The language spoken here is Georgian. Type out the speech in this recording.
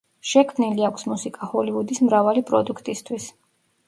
შექმნილი აქვს მუსიკა ჰოლივუდის მრავალი პროდუქტისთვის.